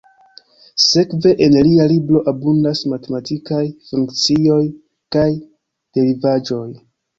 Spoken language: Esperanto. Sekve, en lia libro abundas matematikaj funkcioj kaj derivaĵoj.